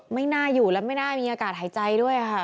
ไม่น่าอยู่และไม่น่ามีอากาศหายใจด้วยค่ะ